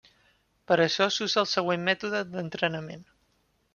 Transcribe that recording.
Per això s'usa el següent mètode d'entrenament.